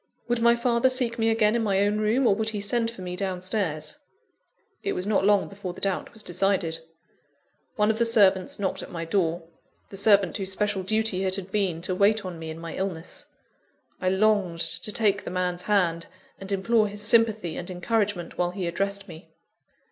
Would my father seek me again in my own room, or would he send for me down stairs? It was not long before the doubt was decided. One of the servants knocked at my door the servant whose special duty it had been to wait on me in my illness. I longed to take the man's hand, and implore his sympathy and encouragement while he addressed me.